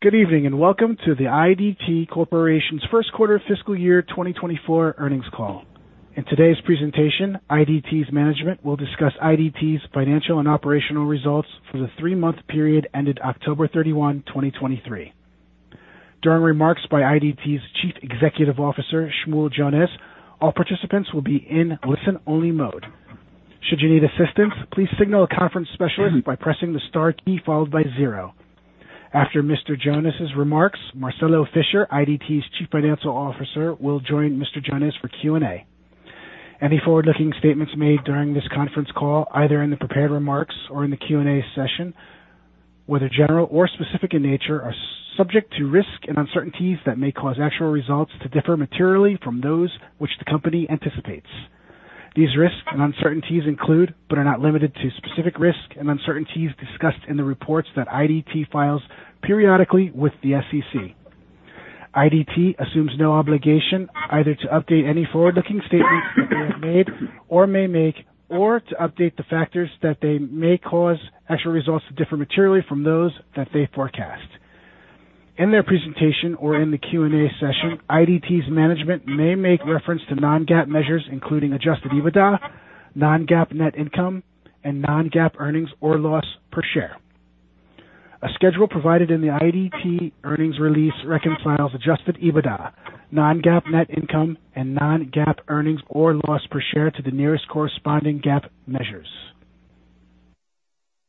Good evening, and welcome to the IDT Corporation's Q1 fiscal year 2024 earnings call. In today's presentation, IDT's management will discuss IDT's financial and operational results for the three-month period ended October 31, 2023. During remarks by IDT's Chief Executive Officer, Shmuel Jonas, all participants will be in listen-only mode. Should you need assistance, please signal a conference specialist by pressing the star key followed by zero. After Mr. Jonas's remarks, Marcelo Fischer, IDT's Chief Financial Officer, will join Mr. Jonas for Q&A. Any forward-looking statements made during this conference call, either in the prepared remarks or in the Q&A session, whether general or specific in nature, are subject to risks and uncertainties that may cause actual results to differ materially from those which the company anticipates. These risks and uncertainties include, but are not limited to, specific risks and uncertainties discussed in the reports that IDT files periodically with the SEC. IDT assumes no obligation either to update any forward-looking statements that they have made or may make, or to update the factors that they may cause actual results to differ materially from those that they forecast. In their presentation or in the Q&A session, IDT's management may make reference to non-GAAP measures, including Adjusted EBITDA, non-GAAP net income, and non-GAAP earnings or loss per share. A schedule provided in the IDT earnings release reconciles Adjusted EBITDA, non-GAAP net income, and non-GAAP earnings or loss per share to the nearest corresponding GAAP measures.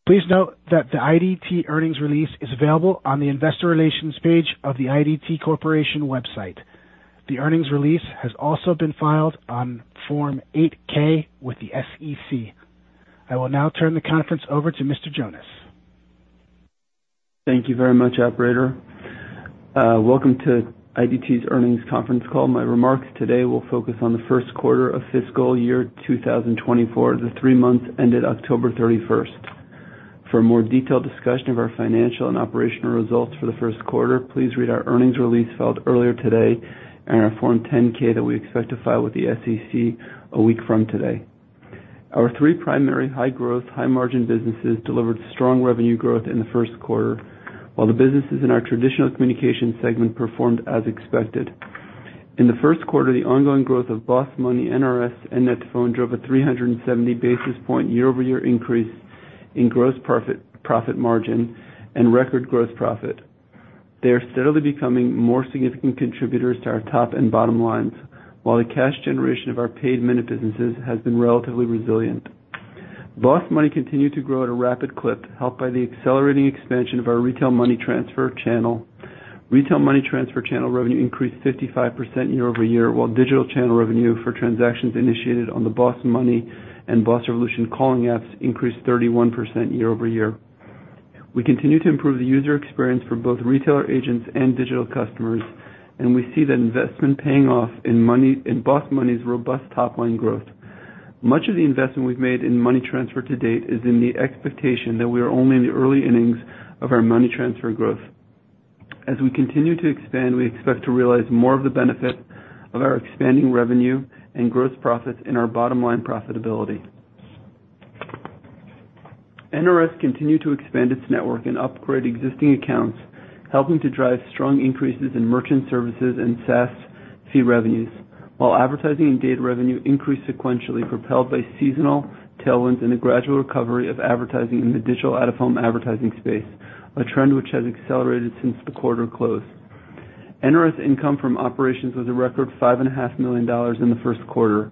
Please note that the IDT earnings release is available on the Investor Relations page of the IDT Corporation website. The earnings release has also been filed on Form 8-K with the SEC. I will now turn the conference over to Mr. Jonas. Thank you very much, operator. Welcome to IDT's earnings conference call. My remarks today will focus on the Q1 of fiscal year 2024, the three months ended October 31st. For a more detailed discussion of our financial and operational results for the Q1, please read our earnings release filed earlier today and our Form 10-K that we expect to file with the SEC a week from today. Our three primary high-growth, high-margin businesses delivered strong revenue growth in the Q1, while the businesses in our traditional communication segment performed as expected. In the Q1, the ongoing growth of BOSS Money, NRS, and net2phone drove a 370 basis point quarter-over-quarter increase in gross profit, profit margin and record gross profit. They are steadily becoming more significant contributors to our top and bottom lines, while the cash generation of our paid minute businesses has been relatively resilient. BOSS Money continued to grow at a rapid clip, helped by the accelerating expansion of our retail money transfer channel. Retail money transfer channel revenue increased 55% quarter-over-quarter, while digital channel revenue for transactions initiated on the BOSS Money and BOSS Revolution calling apps increased 31% quarter-over-quarter. We continue to improve the user experience for both retailer agents and digital customers, and we see that investment paying off in Money... in BOSS Money's robust top-line growth. Much of the investment we've made in money transfer to date is in the expectation that we are only in the early innings of our money transfer growth. As we continue to expand, we expect to realize more of the benefit of our expanding revenue and gross profits in our bottom-line profitability. NRS continued to expand its network and upgrade existing accounts, helping to drive strong increases in merchant services and SaaS fee revenues, while advertising and data revenue increased sequentially, propelled by seasonal tailwinds and a gradual recovery of advertising in the digital out-of-home advertising space, a trend which has accelerated since the quarter closed. NRS income from operations was a record $5.5 million in the Q1.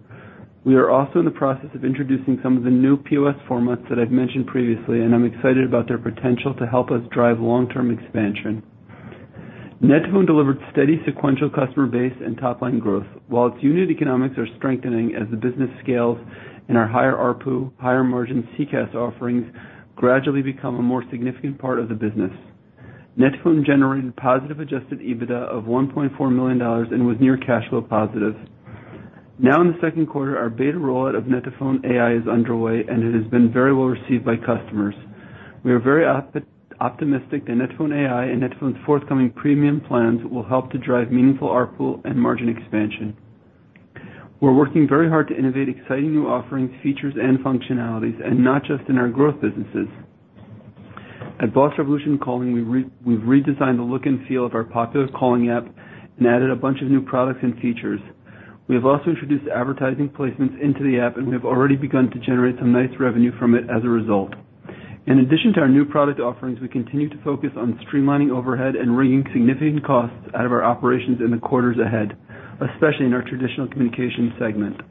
We are also in the process of introducing some of the new POS formats that I've mentioned previously, and I'm excited about their potential to help us drive long-term expansion. net2phone delivered steady sequential customer base and top-line growth, while its unit economics are strengthening as the business scales and our higher ARPU, higher-margin CCaaS offerings gradually become a more significant part of the business. net2phone generated positive Adjusted EBITDA of $1.4 million and was near cash flow positive. Now, in the Q2, our beta rollout of net2phone AI is underway, and it has been very well received by customers. We are very optimistic that net2phone AI and net2phone's forthcoming premium plans will help to drive meaningful ARPU and margin expansion. We're working very hard to innovate exciting new offerings, features, and functionalities, and not just in our growth businesses. At Boss Revolution Calling, we've redesigned the look and feel of our popular calling app and added a bunch of new products and features. We have also introduced advertising placements into the app, and we have already begun to generate some nice revenue from it as a result. In addition to our new product offerings, we continue to focus on streamlining overhead and wringing significant costs out of our operations in the quarters ahead, especially in our traditional communications segment.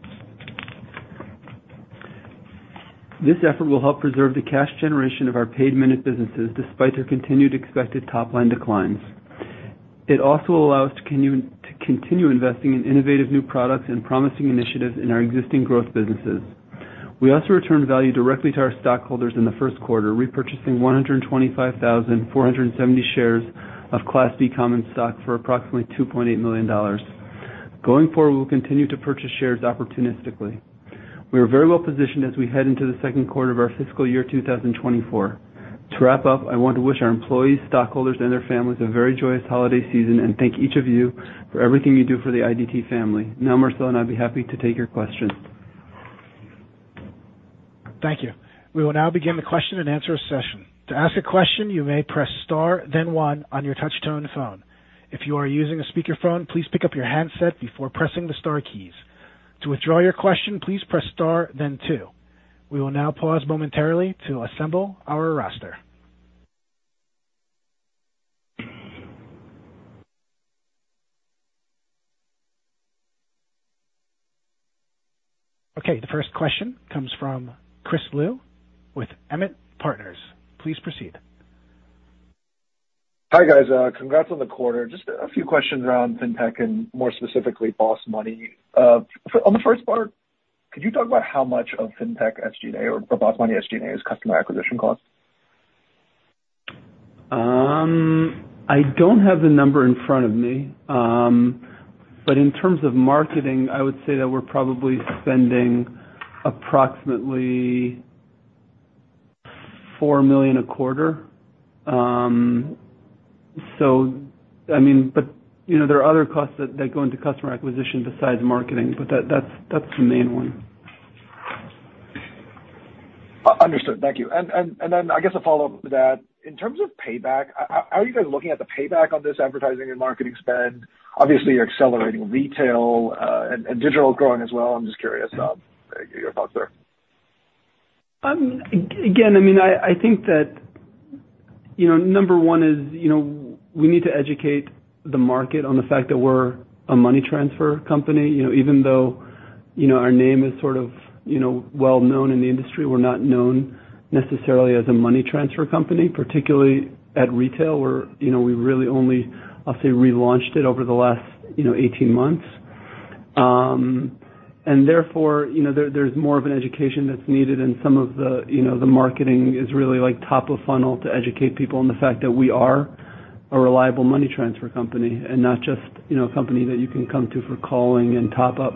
This effort will help preserve the cash generation of our paid minute businesses, despite their continued expected top-line declines. It also will allow us to continue investing in innovative new products and promising initiatives in our existing growth businesses. We also returned value directly to our stockholders in the Q1, repurchasing 125,470 shares of Class B common stock for approximately $2.8 million. Going forward, we will continue to purchase shares opportunistically. We are very well positioned as we head into the Q2 of our fiscal year 2024. To wrap up, I want to wish our employees, stockholders, and their families a very joyous holiday season, and thank each of you for everything you do for the IDT family. Now, Marcelo and I'd be happy to take your questions.... Thank you. We will now begin the question and answer session. To ask a question, you may press star then one on your touchtone phone. If you are using a speakerphone, please pick up your handset before pressing the star keys. To withdraw your question, please press star then two. We will now pause momentarily to assemble our roster. Okay, the first question comes from Chris Liu with Emmett Partners. Please proceed. Hi, guys. Congrats on the quarter. Just a few questions around Fintech and more specifically, BOSS Money. On the first part, could you talk about how much of Fintech SG&A or BOSS Money SG&A is customer acquisition costs? I don't have the number in front of me. But in terms of marketing, I would say that we're probably spending approximately $4 million a quarter. So I mean, but, you know, there are other costs that go into customer acquisition besides marketing, but that's the main one. Understood. Thank you. And then I guess a follow-up to that, in terms of payback, are you guys looking at the payback on this advertising and marketing spend? Obviously, you're accelerating retail, and digital is growing as well. I'm just curious, your thoughts there. Again, I mean, I think that, you know, number one is, you know, we need to educate the market on the fact that we're a money transfer company. You know, even though, you know, our name is sort of, you know, well-known in the industry, we're not known necessarily as a money transfer company, particularly at retail, where, you know, we really only, I'll say, relaunched it over the last, you know, 18 months. And therefore, you know, there, there's more of an education that's needed, and some of the, you know, the marketing is really, like, top of funnel to educate people on the fact that we are a reliable money transfer company and not just, you know, a company that you can come to for calling and top up.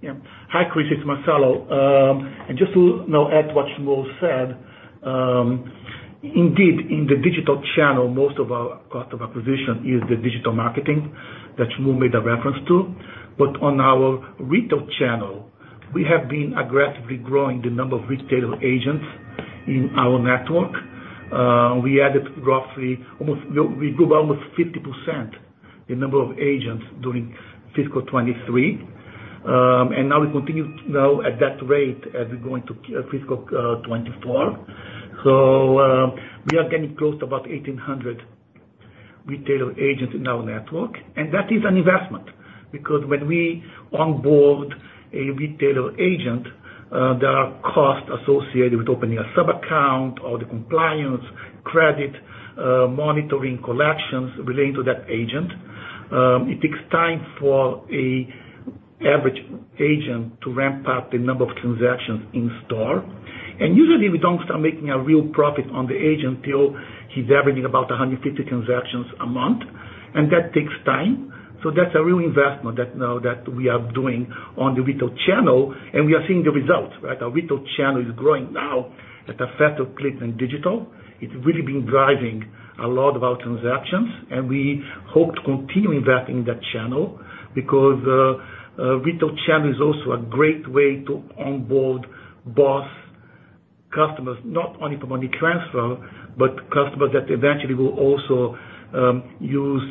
Yeah. Hi, Chris, it's Marcelo. And just to, you know, add what said, indeed, in the digital channel, most of our cost of acquisition is the digital marketing that you made a reference to. But on our retail channel, we have been aggressively growing the number of retail agents in our network. We grew almost 50% the number of agents during fiscal 2023. And now we continue at that rate as we go into fiscal 2024. So, we are getting close to about 1,800 retail agents in our network, and that is an investment. Because when we onboard a retail agent, there are costs associated with opening a subaccount or the compliance, credit, monitoring collections relating to that agent. It takes time for an average agent to ramp up the number of transactions in-store. Usually we don't start making a real profit on the agent until he's averaging about 150 transactions a month, and that takes time. That's a real investment that, now that we are doing on the retail channel, and we are seeing the results, right? Our retail channel is growing now at a faster clip than digital. It's really been driving a lot of our transactions, and we hope to continue investing in that channel because retail channel is also a great way to onboard BOSS customers, not only for money transfer, but customers that eventually will also use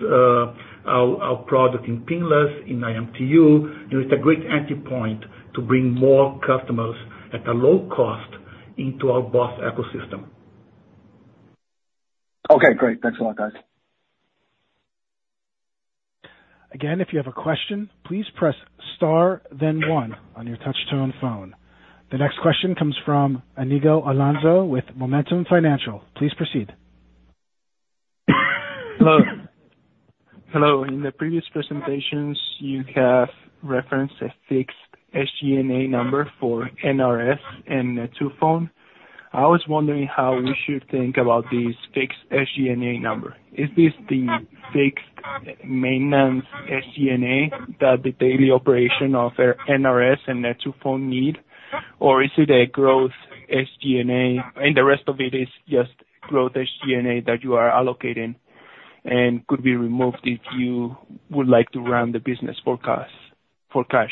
our product in Pinless, in IMTU. You know, it's a great entry point to bring more customers at a low cost into our BOSS ecosystem. Okay, great. Thanks a lot, guys. Again, if you have a question, please press star, then one on your touchtone phone. The next question comes from Iñigo Alonso with Momentum Financial. Please proceed. Hello. Hello. In the previous presentations, you have referenced a fixed SG&A number for NRS and net2phone. I was wondering how we should think about this fixed SG&A number. Is this the fixed maintenance SG&A that the daily operation of NRS and net2phone need? Or is it a growth SG&A, and the rest of it is just growth SG&A that you are allocating and could be removed if you would like to run the business for cash, for cash?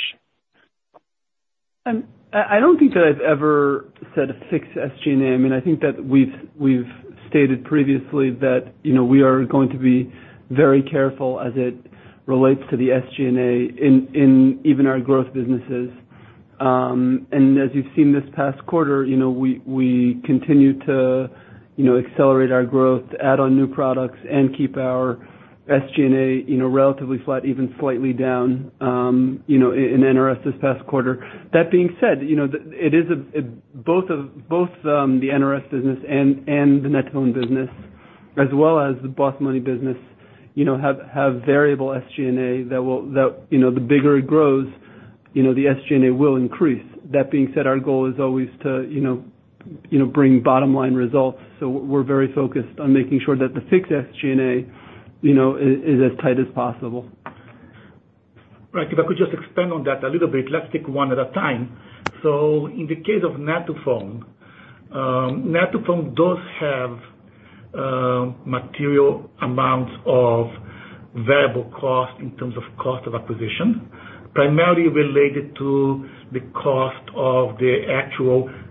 I don't think that I've ever said a fixed SG&A. I mean, I think that we've stated previously that, you know, we are going to be very careful as it relates to the SG&A in even our growth businesses. And as you've seen this past quarter, you know, we continue to, you know, accelerate our growth, add on new products and keep our SG&A, you know, relatively flat, even slightly down, you know, in NRS this past quarter. That being said, you know, it is both the NRS business and the net2phone business, as well as the BOSS Money business, you know, have variable SG&A that will... That, you know, the bigger it grows, you know, the SG&A will increase. That being said, our goal is always to, you know, you know, bring bottom line results. So we're very focused on making sure that the fixed SG&A, you know, is as tight as possible. Right. If I could just expand on that a little bit, let's take one at a time. So in the case of net2phone, net2phone does have material amounts of variable costs in terms of cost of acquisition, primarily related to the cost of the actual IP,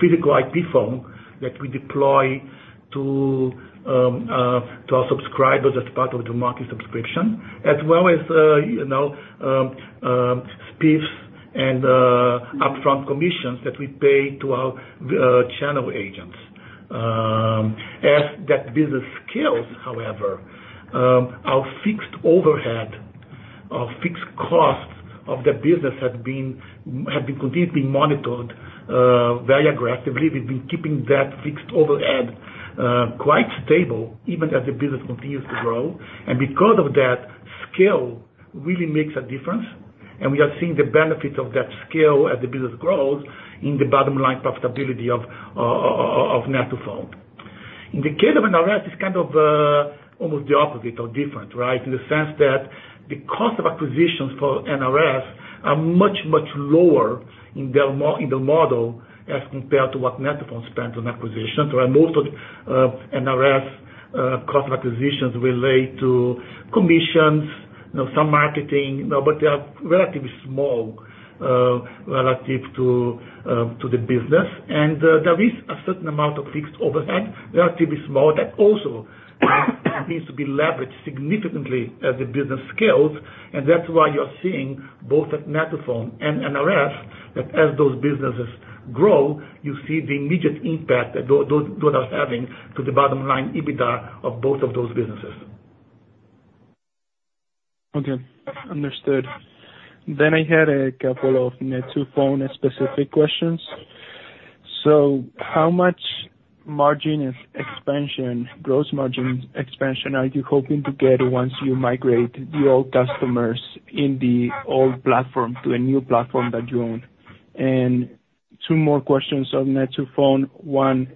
physical IP phone that we deploy to our subscribers as part of the market subscription. As well as, you know, spiffs and upfront commissions that we pay to our channel agents. As that business scales, however, our fixed overhead, our fixed costs of that business have been continuously being monitored very aggressively. We've been keeping that fixed overhead quite stable even as the business continues to grow. And because of that, scale really makes a difference, and we are seeing the benefits of that scale as the business grows in the bottom line profitability of net2phone. In the case of NRS, it's kind of almost the opposite or different, right? In the sense that the cost of acquisitions for NRS are much, much lower in their model as compared to what net2phone spent on acquisitions. Where most of NRS cost of acquisitions relate to commissions, you know, some marketing, but they are relatively small, relative to the business. There is a certain amount of fixed overhead, relatively small, that also needs to be leveraged significantly as the business scales, and that's why you're seeing both at net2phone and NRS, that as those businesses grow, you see the immediate impact that those are having to the bottom line, EBITDA of both of those businesses. Okay, understood. Then I had a couple of net2phone-specific questions. So how much margin expansion, gross margin expansion are you hoping to get once you migrate the old customers in the old platform to a new platform that you own? And two more questions on net2phone. One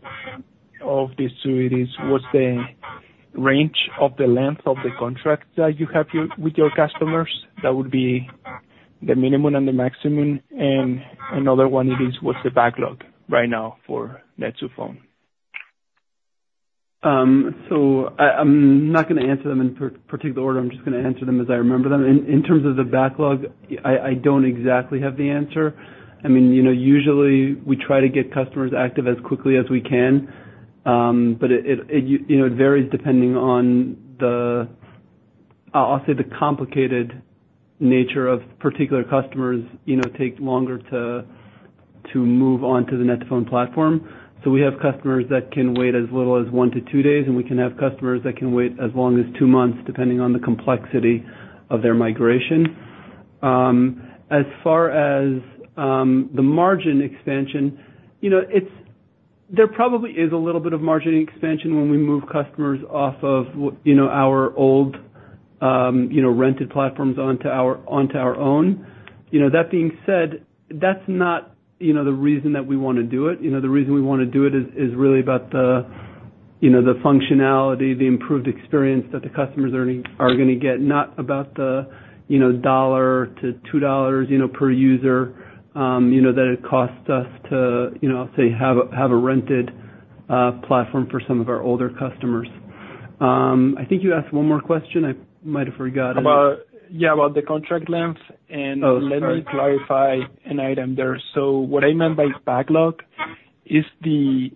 of these two it is, what's the range of the length of the contract that you have your, with your customers? That would be the minimum and the maximum. And another one is, what's the backlog right now for net2phone? So I, I'm not gonna answer them in particular order. I'm just gonna answer them as I remember them. In terms of the backlog, I don't exactly have the answer. I mean, you know, usually we try to get customers active as quickly as we can, but it, you know, it varies depending on the... I'll say, the complicated nature of particular customers, you know, take longer to move on to the net2phone platform. So we have customers that can wait as little as one-two days, and we can have customers that can wait as long as two months, depending on the complexity of their migration. As far as the margin expansion, you know, it's there probably is a little bit of margin expansion when we move customers off of you know, our old, you know, rented platforms onto our, onto our own. You know, that being said, that's not, you know, the reason that we want to do it. You know, the reason we want to do it is really about the, you know, the functionality, the improved experience that the customers are gonna get, not about the, you know, $1-2, you know, per user, you know, that it costs us to, you know, say, have a rented platform for some of our older customers. I think you asked one more question. I might have forgotten. Yeah, about the contract length. Oh, sorry. Let me clarify an item there. What I meant by backlog is the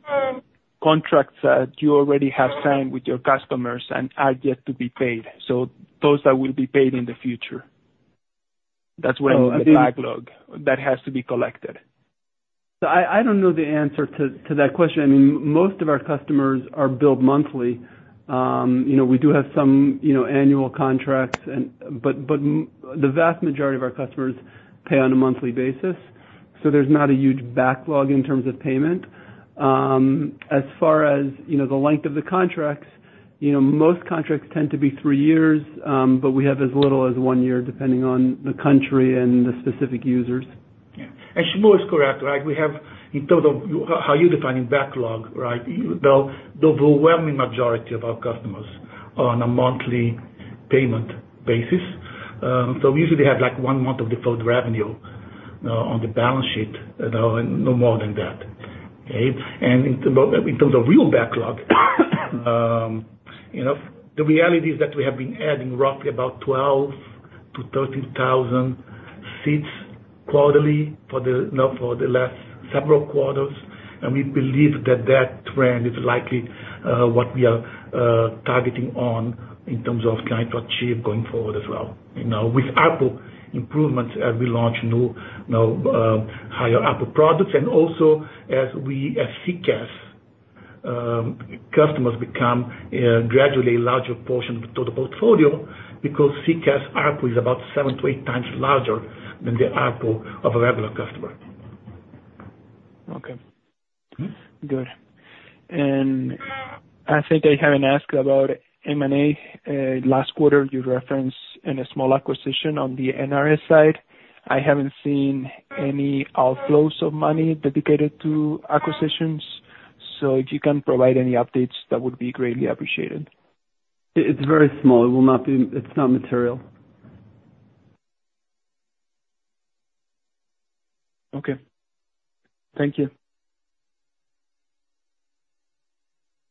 contracts that you already have signed with your customers and are yet to be paid, so those that will be paid in the future. That's what I mean by backlog. Oh, the- That has to be collected. So I don't know the answer to that question. I mean, most of our customers are billed monthly. You know, we do have some annual contracts, but the vast majority of our customers pay on a monthly basis, so there's not a huge backlog in terms of payment. As far as, you know, the length of the contracts, you know, most contracts tend to be three years, but we have as little as one year, depending on the country and the specific users. Yeah, and Shmuel is correct, right? We have, in terms of how you're defining backlog, right, the overwhelming majority of our customers are on a monthly payment basis. So usually they have, like, one month of default revenue on the balance sheet, you know, and no more than that. Okay? And in terms of real backlog, you know, the reality is that we have been adding roughly about 12,000-13,000 seats quarterly for the last several quarters. And we believe that that trend is likely what we are targeting on in terms of trying to achieve going forward as well. You know, with ARPU improvements as we launch new higher ARPU products. Also as we, as CCaaS, customers become gradually a larger portion of the total portfolio, because CCaaS ARPU is about seven-eight times larger than the ARPU of a regular customer. Okay. Mm-hmm. Good. And I think I haven't asked about M&A. Last quarter, you referenced in a small acquisition on the NRS side. I haven't seen any outflows of money dedicated to acquisitions, so if you can provide any updates, that would be greatly appreciated. It's very small. It will not be... It's not material. Okay. Thank you.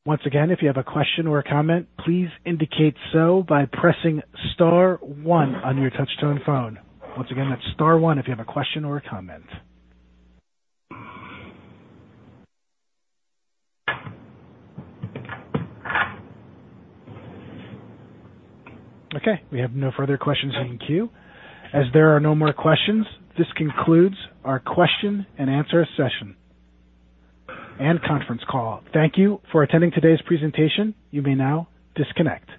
Once again, if you have a question or a comment, please indicate so by pressing star one on your touchtone phone. Once again, that's star one if you have a question or a comment. Okay, we have no further questions in the queue. As there are no more questions, this concludes our question and answer session and conference call. Thank you for attending today's presentation. You may now disconnect.